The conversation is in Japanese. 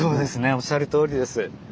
おっしゃるとおりです。